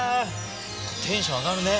テンション上がるね。